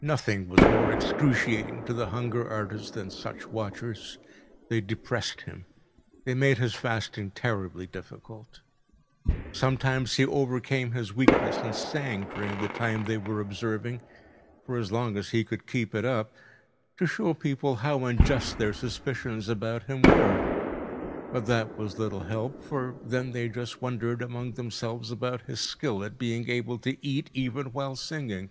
Nothing was more excruciating to the hunger artist than such watchers. They depressed him. They made his fasting terribly difficult. Sometimes he overcame his weakness and sang during the time they were observing, for as long as he could keep it up, to show people how unjust their suspicions about him were. But that was little help. For then they just wondered among themselves about his skill at being able to eat even while singing.